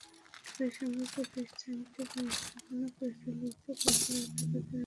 একই সঙ্গে প্রতিষ্ঠানটির ব্যবস্থাপনা পরিচালককে পাঁচ লাখ টাকা জরিমানা করা হয়।